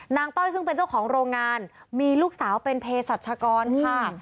ต้อยซึ่งเป็นเจ้าของโรงงานมีลูกสาวเป็นเพศรัชกรค่ะ